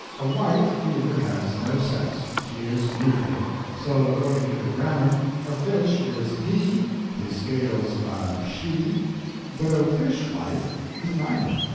A Wife, here, has no sex; she is neuter; so, according to the grammar, a fish is HE, his scales are SHE, but a fishwife is neither.